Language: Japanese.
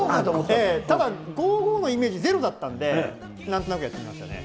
ただ、ゴーゴーのイメージゼロだったので、なんとなくやってましたね。